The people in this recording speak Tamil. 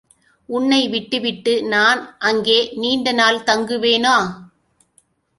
உன்னை விட்டு விட்டு நான் அங்கே நீண்ட நாள் தங்குவேனா?